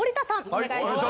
お願いします。